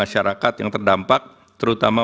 masyarakat yang terdampak terutama